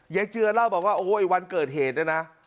ยายเจือเล่าบอกว่าโอ้โหไอ้วันเกิดเหตุนะ